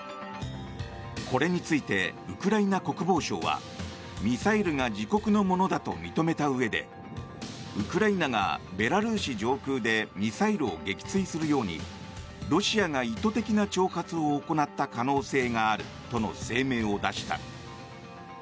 これについてウクライナ国防省はミサイルが自国のものだと認めたうえでウクライナがベラルーシ上空でミサイルを撃墜するようにロシアが意図的な挑発を行った可能性があるとの声明を出した。